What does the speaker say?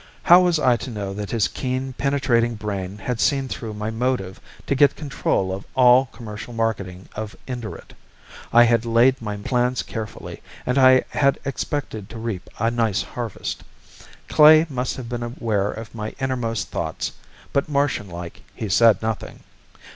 How was I to know that his keen penetrating brain had seen through my motive to get control of all commercial marketing of Indurate? I had laid my plans carefully, and I had expected to reap a nice harvest. Klae must have been aware of my innermost thoughts, but Martian like he said nothing."